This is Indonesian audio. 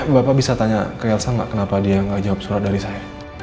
bapak bisa tanya ke rielsa enggak kenapa dia enggak jawab surat dari saya